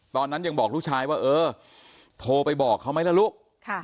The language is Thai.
ตอนนั้นยังบอกลูกชายว่าเออโทรไปบอกเขาไหมล่ะลูก